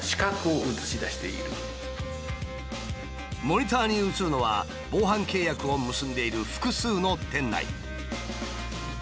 モニターに映るのは防犯契約を結んでいる複数の店内。